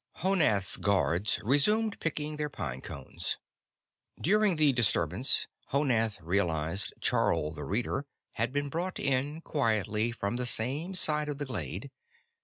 Honath's guards resumed picking their pine cones. During the disturbance, Honath realized Charl the Reader had been brought in quietly from the same side of the glade.